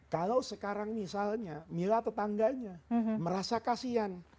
kalau sekarang misalnya mila tetangganya merasa kasihan